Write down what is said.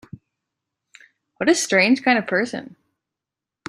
What a strange kind of person!